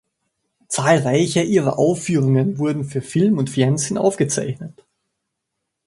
Zahlreiche ihrer Aufführungen wurden für Film und Fernsehen aufgezeichnet.